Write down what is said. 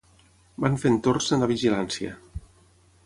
Van fent torns en la vigilància.